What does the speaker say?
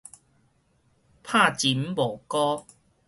冇蟳無膏